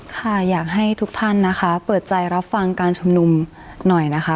ค่ะอยากให้ทุกท่านนะคะเปิดใจรับฟังการชุมนุมหน่อยนะคะ